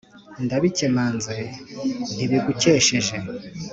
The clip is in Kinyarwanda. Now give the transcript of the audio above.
Ndabikemanze ntibigukesheje